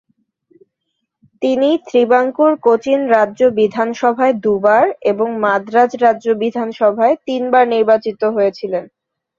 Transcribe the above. তিনি ত্রিবাঙ্কুর-কোচিন রাজ্য বিধানসভায় দু'বার এবং মাদ্রাজ রাজ্য বিধানসভায় তিনবার নির্বাচিত হয়েছিলেন।